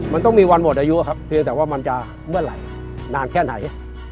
มันต้องมีวันหมดอายุครับเพียงแต่ว่ามันจะเมื่อไหร่นานแค่ไหน